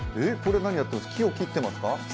木を切っていますか？